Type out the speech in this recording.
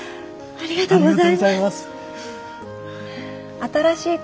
ありがとうございます。